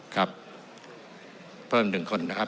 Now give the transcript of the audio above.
ครับเพิ่มหนึ่งคนนะครับ